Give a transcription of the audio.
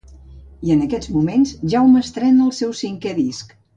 I en aquests moments Jaume estrena el seu cinquè disc.